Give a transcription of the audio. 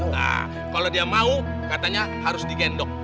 nah kalau dia mau katanya harus digendong